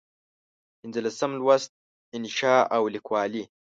پنځلسم لوست: انشأ او لیکوالي